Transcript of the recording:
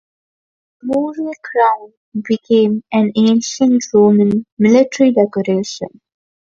The mural crown became an ancient Roman military decoration.